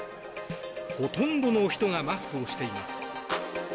ほとんどの人がマスクをしています。